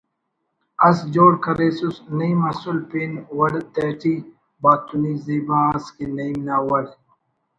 اس جوڑ کریسس نعیم اسُل پین وڑ تہٹی (باطنی) زیبا ئس کہ نعیم نا وڑ